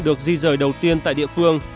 được di rời đầu tiên tại địa phương